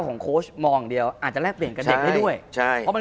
คุณผู้ชมบางท่าอาจจะไม่เข้าใจที่พิเตียร์สาร